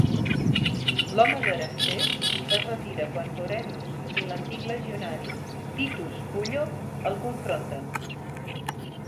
L'home d'Erastés es retira quan Vorenus i l'antic legionari Titus Pullo el confronten.